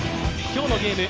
今日のゲーム